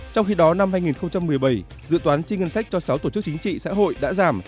trong khi đó năm hai nghìn một mươi bảy dự toán chi ngân sách cho sáu tổ chức chính trị xã hội đã giảm